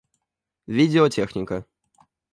Видеотехника